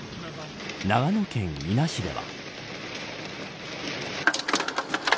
長野県伊那市では。